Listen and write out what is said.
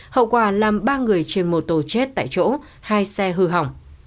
hậu quả làm ba người trên mô tô chết tại chỗ hai xe hư hỏng